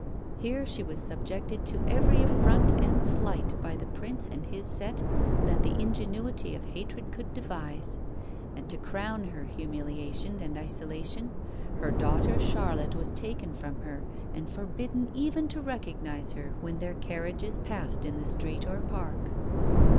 Here she was subjected to every affront and slight by the Prince and his set that the ingenuity of hatred could devise, and to crown her humiliation and isolation, her daughter Charlotte was taken from her and forbidden even to recognise her when their carriages passed in the street or park.